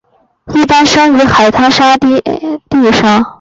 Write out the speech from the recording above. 一般生于海滩沙地上。